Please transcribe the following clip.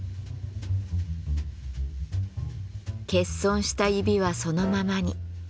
欠損した指はそのままに。